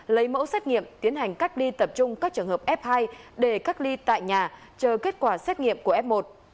lấy mẫu xét nghiệm tiến hành cách ly tập trung các trường hợp f hai để cách ly tại nhà chờ kết quả xét nghiệm của f một